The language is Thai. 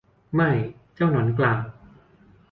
ไม่ เจ้าหนอนกล่าว